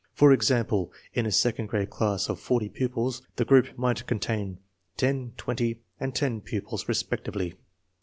For example, in a second grade class of forty pupils the groups might contain ten, twenty, and ten pupils respectively.